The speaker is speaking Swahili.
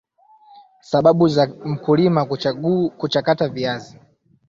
sababu za mkulima kuchakata viazi